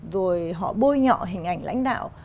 rồi họ bôi nhọ hình ảnh lãnh đạo